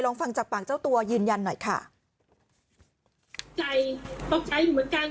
ฟังจากปากเจ้าตัวยืนยันหน่อยค่ะตกใจตกใจอยู่เหมือนกัน